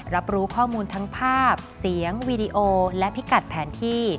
รับรู้ข้อมูลทั้งภาพเสียงวีดีโอและพิกัดแผนที่